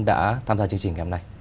đã tham gia chương trình ngày hôm nay